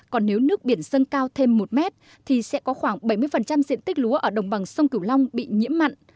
còn nếu nước biển dâng cao thêm một mét thì sẽ có khoảng bảy mươi diện tích lúa ở đồng bằng sông cửu long bị nhiễm mặn